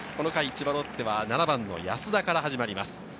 千葉ロッテは７番・安田から始まります。